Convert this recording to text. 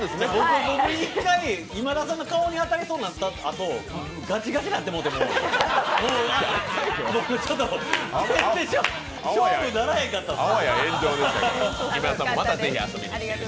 一回今田さんの顔に当たりそうになったあとガチガチになってもうて、もう。がするなずっとやってたいんですよ